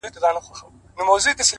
سوخ خوان سترگو كي بيده ښكاري!